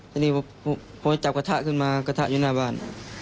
ทีนี้พอจับกระทะขึ้นมากระทะอยู่หน้าบ้าน